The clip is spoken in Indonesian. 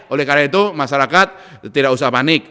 oleh karena itu masyarakat tidak usah panik